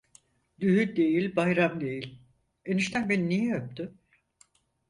Düğün değil bayram değil eniştem beni niye öptü.